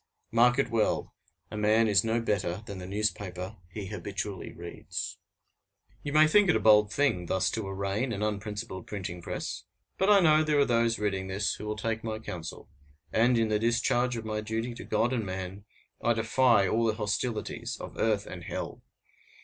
Mark it well: a man is no better than the newspaper he habitually reads. You may think it a bold thing thus to arraign an unprincipled printing press, but I know there are those reading this who will take my counsel; and, in the discharge of my duty to God and man, I defy all the hostilities of earth and hell!